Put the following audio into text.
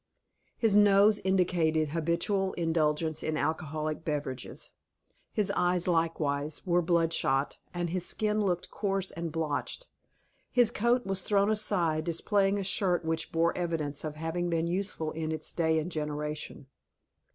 His nose indicated habitual indulgence in alcoholic beverages. His eyes, likewise, were bloodshot, and his skin looked coarse and blotched; his coat was thrown aside, displaying a shirt which bore evidence of having been useful in its day and generation.